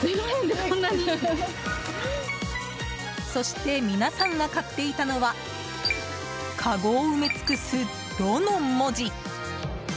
そして皆さんが買っていたのはかごを埋め尽くす「ド」の文字。